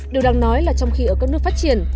điều đáng nói là trong khi ở các nước phát triển